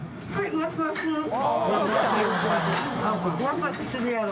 「ワクワクするやろ？」